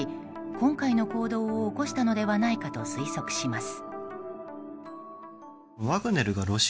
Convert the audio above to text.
今回の行動を起こしたのではないかと推測します。